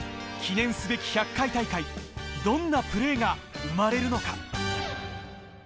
記念すべき１００回大会、どんなプレーが生まれるのか？